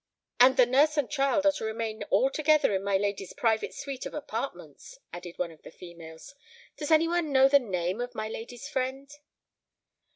"And the nurse and child are to remain altogether in my lady's private suite of apartments," added one of the females. "Does any one know the name of my lady's friend?"